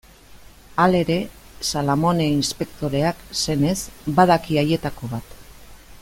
Halere, Salamone inspektoreak, senez, badaki haietako bat.